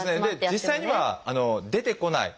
実際には出てこない